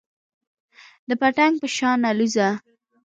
د پتنګ په شان الوځه .